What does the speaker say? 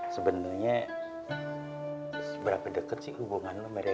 sebenarnya seberapa deket hubungan nomornya